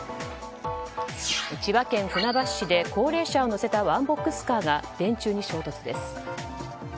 千葉県船橋市で高齢者を乗せたワンボックスカーが電柱に衝突です。